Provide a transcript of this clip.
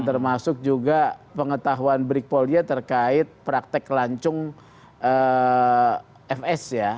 termasuk juga pengetahuan brikpol dia terkait praktek lancung fs ya